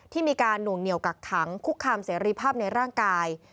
มีการหน่วงเหนียวกักขังคุกคามเสรีภาพในร่างกาย